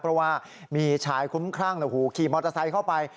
เพราะว่ามีชายคุ้มครั่งขี่มอเตอร์ไซค์เข้าไป